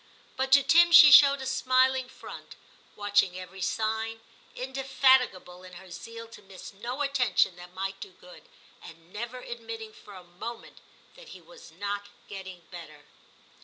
* But to Tim she showed a smiling front, watching every sign, indefatigable in her zeal to miss no attention that might do good, and never admitting for a moment that he was not getting better.